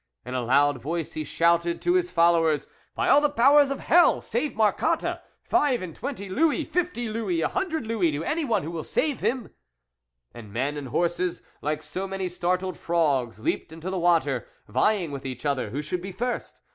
In a loud voice he shouted to his followers :" By all the powers of hell ! Save Marcotte 1 Five and twenty louis, 34 THE WOLF LEADER fifty louis, a hundred louis, to anyone who will save him !" And men and horses, like so many startled frogs, leaped into the water, vying with each other who should be first.